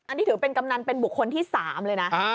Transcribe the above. อันนี้ถือเป็นกำนันเป็นบุคคลที่๓เลยนะ